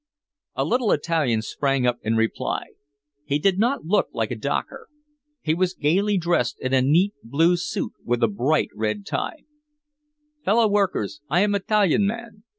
A little Italian sprang up in reply. He did not look like a docker. He was gaily dressed in a neat blue suit with a bright red tie: "Fellow workers I am Italian man!